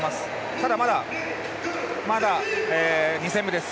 ただ、まだ２戦目です。